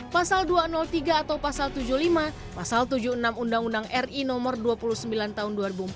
pasal dua ratus tiga atau pasal tujuh puluh lima pasal tujuh puluh enam undang undang ri nomor dua puluh sembilan tahun dua ribu empat